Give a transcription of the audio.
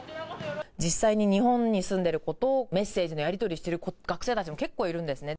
実際に日本に住んでる子とメッセージのやり取りしている学生たちも結構いるんですね。